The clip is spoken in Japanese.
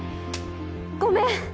ごめん！